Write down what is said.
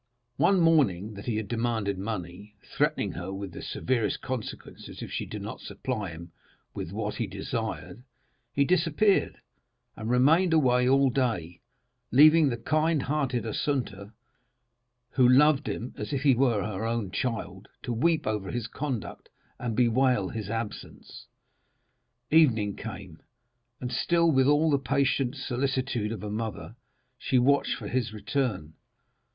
One morning he threatened her with the severest consequences if she did not supply him with what he desired, and disappeared and remained away all day, leaving the kind hearted Assunta, who loved him as if he were her own child, to weep over his conduct and bewail his absence. Evening came, and still, with all the patient solicitude of a mother, she watched for his return.